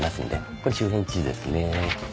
これ周辺地図ですね。